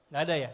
gak ada ya